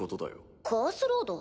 カースロード？